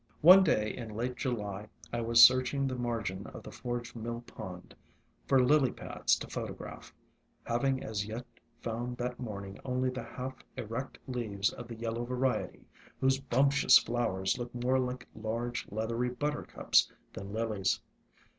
One day in late July I was searching the margin of the forge mill pond for Lily pads to photograph, having as yet found that morning only the half erect leaves of the yellow variety, whose bumptious flowers look more like large, leathery Buttercups than Lilies.